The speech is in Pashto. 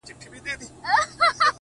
ستا خــوله كــي ټــپه اشــنا،